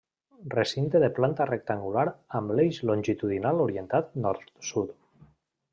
Recinte de planta rectangular amb l'eix longitudinal orientat nord-sud.